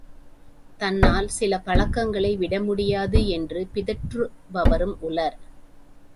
தன்னால் சில பழக்கங்களை விடமுடியாது என்று பிதற்றுபவரும் உளர்.